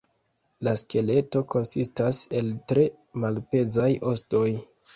La skeleto konsistas el tre malpezaj ostoj.